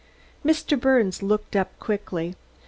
Mr. Birnes looked up quickly.